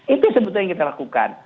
itu sebetulnya yang kita lakukan